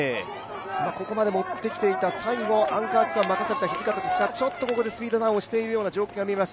ここまで持ってきていた最後、アンカー区間を任された土方ちょっとここでスピードダウンをしているような状況が見えました。